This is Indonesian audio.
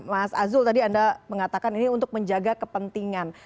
mas azul tadi anda mengatakan ini untuk menjaga kepentingan